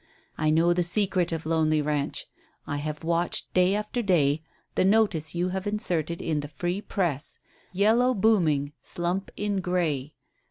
I know the secret of Lonely Ranch. I have watched day after day the notice you have inserted in the Free Press 'Yellow booming slump in Grey.'